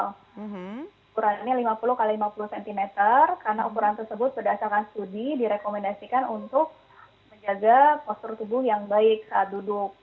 ukurannya lima puluh x lima puluh cm karena ukuran tersebut berdasarkan studi direkomendasikan untuk menjaga postur tubuh yang baik saat duduk